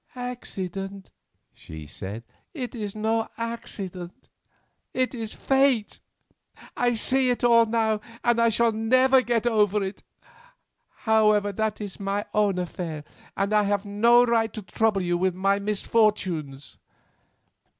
"Accident!" she said. "It is no accident; it is Fate!—I see it all now—and I shall never get over it. However, that is my own affair, and I have no right to trouble you with my misfortunes."